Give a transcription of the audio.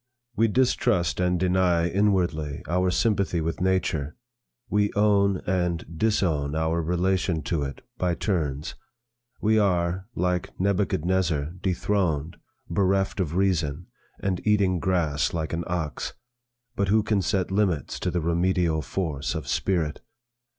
'We distrust and deny inwardly our sympathy with nature. We own and disown our relation to it, by turns. We are, like Nebuchadnezzar, dethroned, bereft of reason, and eating grass like an ox. But who can set limits to the remedial force of spirit?